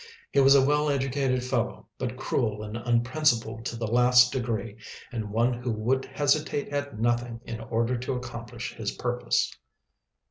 He was a well educated fellow, but cruel and unprincipled to the last degree, and one who would hesitate at nothing in order to accomplish his purpose.